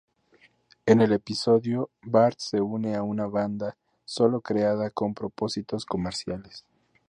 En el episodio, Bart se une a una banda sólo creada con propósitos comerciales.